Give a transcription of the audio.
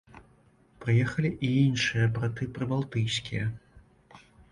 Прыехалі і іншыя браты прыбалтыйскія.